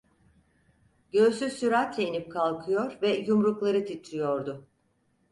Göğsü süratle inip kalkıyor ve yumrukları titriyordu.